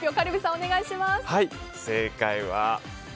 お願いします。